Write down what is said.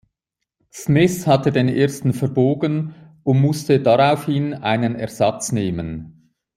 Smith hatte den ersten verbogen und musste daraufhin einen Ersatz nehmen.